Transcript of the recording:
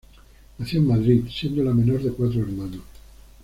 Nació en Madrid siendo la menor de cuatro hermanos.